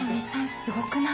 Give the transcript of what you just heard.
すごくない？